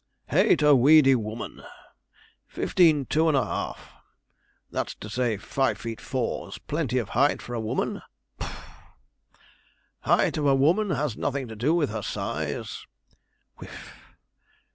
'Hate a weedy woman fifteen two and a half that's to say, five feet four's plenty of height for a woman' (puff). 'Height of a woman has nothing to do with her size' (whiff).